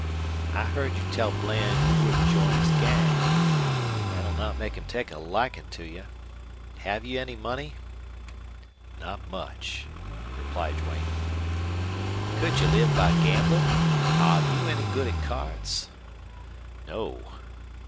I heard you tell Bland you wouldn't join his gang. Thet'll not make him take a likin' to you. Have you any money?" "Not much," replied Duane. "Could you live by gamblin'? Are you any good at cards?" "No."